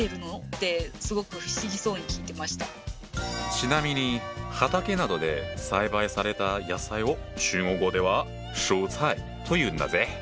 ちなみに畑などで栽培された野菜を中国語では「蔬菜」というんだぜ。